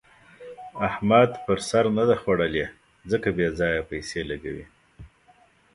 احمد پر سر نه ده خوړلې؛ ځکه بې ځايه پيسې لګوي.